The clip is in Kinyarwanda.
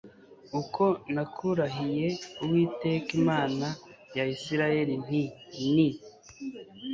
uko nakurahiye Uwiteka Imana ya Isirayeli nti Ni